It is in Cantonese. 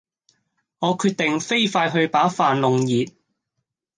我決定飛快去把飯弄熱